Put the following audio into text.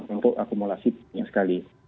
untuk akumulasi ini sekali